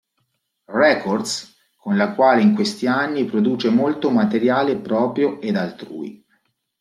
Records, con la quale in questi anni, produce molto materiale proprio ed altrui.